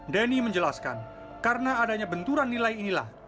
denny menjelaskan karena adanya benturan nilai inilah